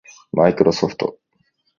マイクロソフト